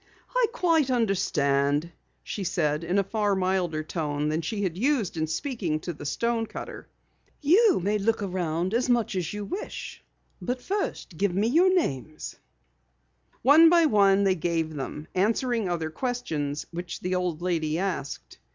"I quite understand," she said in a far milder tone than she had used in speaking to the stonecutter. "You may look around as much as you wish. But first, tell me your names." One by one they gave them, answering other questions which the old lady asked.